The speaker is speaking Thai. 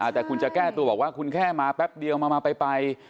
แต่คุณจะแก้ตัวบอกว่าคุณแค่มาแป๊บเดียวมาไป